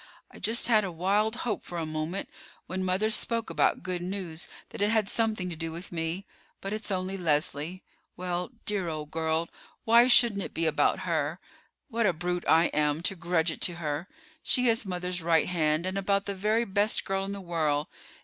"I just had a wild hope for a moment, when mother spoke about good news, that it had something to do with me. But it's only Leslie. Well, dear old girl, why shouldn't it be about her? What a brute I am to grudge it to her. She is mother's right hand, and about the very best girl in the world.